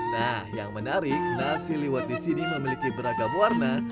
nah yang menarik nasi liwet disini memiliki beragam warna